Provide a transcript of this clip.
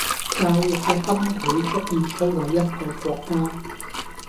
教育既崩潰足以摧毀一個國家